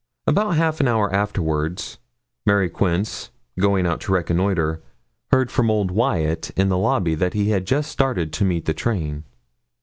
About half an hour afterwards, Mary Quince, going out to reconnoitre, heard from old Wyat in the lobby that he had just started to meet the train.